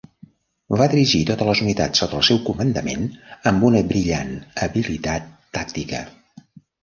Va dirigir totes les unitats sota el seu comandament amb una brillant habilitat tàctica.